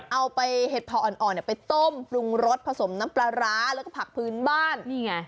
เอาไปเห็ดพออ่อนไปต้มปรุงรสผสมน้ำปลาร้าแล้วก็ผักพื้นบ้านนี่ไง